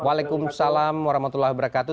waalaikumsalam warahmatullahi wabarakatuh